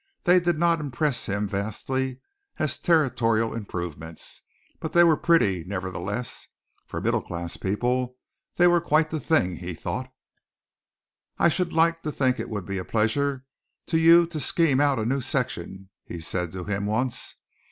They did not impress him vastly as territorial improvements, but they were pretty, nevertheless. For middle class people, they were quite the thing he thought. "I should think it would be a pleasure to you to scheme out a new section," he said to him once.